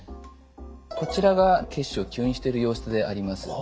こちらが血腫を吸引してる様子であります。